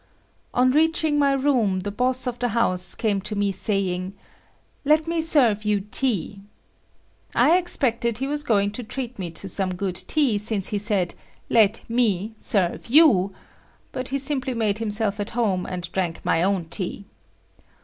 On reaching my room, the boss of the house came to me saying, "Let me serve you tea." I expected he was going to treat me to some good tea since he said "Let me serve you," but he simply made himself at home and drank my own tea.